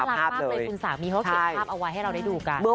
รักมากเลยคุณสามีเขาเก็บภาพเอาไว้ให้เราได้ดูกัน